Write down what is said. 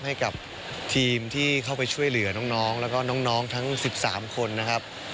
ให้กับทีมที่เข้าไปช่วยเหลือน้องแล้วก็น้องทั้ง๑๓คนนะครับ